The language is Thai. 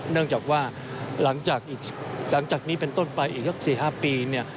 เนื่องจากว่าหลังจากนี้เป็นต้นไปอีกสัก๔๕ปี